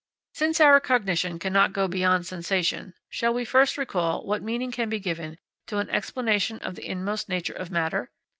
Since our cognition cannot go beyond sensation, shall we first recall what meaning can be given to an explanation of the inmost nature of matter?